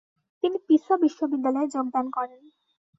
তিনি পিসা বিশ্ববিদ্যালয়ে যোগদান করেন।